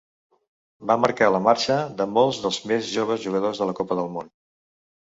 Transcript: Va marcar la marxa de molts dels més joves jugadors de la Copa del Món.